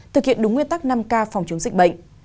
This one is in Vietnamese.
thực hiện đúng nguyên tắc năm k phòng chống dịch bệnh